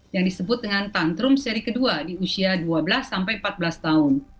yang disebut dengan tantrum seri kedua di usia dua belas sampai empat belas tahun